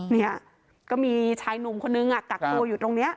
เนี่ยก็มีชายหนุ่มคนนึงกักตัวอยู่ตรงนี้